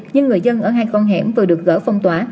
nhưng người dân ở hai con hẻm vừa được gỡ phong tỏa